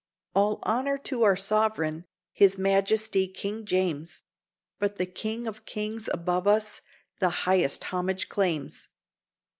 All honor to our sovereign, his majesty King James, But the King of kings above us the highest homage claims."